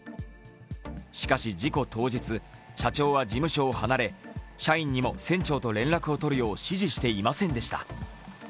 しかし、事故当日、社長は事務所を離れ、社員にも船長を連絡を取るよう指示していませんでした。